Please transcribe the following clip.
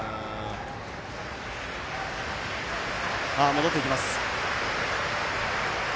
戻っていきます。